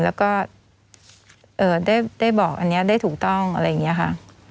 แล้วก็ได้บอกอันนี้ได้ถูกต้องอะไรอย่างนี้ค่ะ